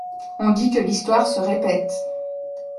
On dit que l’histoire se répète…